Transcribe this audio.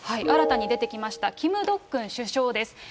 新たに出てきました、キム・ドックン首相です。